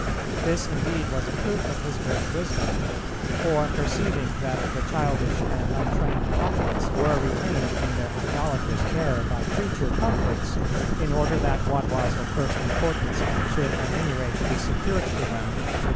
This indeed was a proof of his great wisdom ... for, perceiving that the childish and untrained populace were retained in their idolatrous error by creature comforts, in order that what was of first importance should at any rate be secured to them, viz.